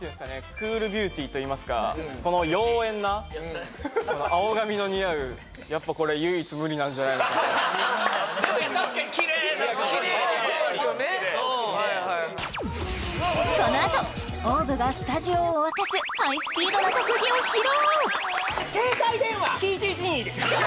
クールビューティーといいますかこの妖艶な青髪の似合うなんじゃないのかでも確かにこのあとＯＷＶがスタジオを沸かすハイスピードな特技を披露！